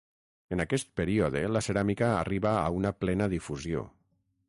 En aquest període la ceràmica arriba a una plena difusió.